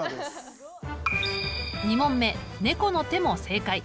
２問目「ねこのて」も正解。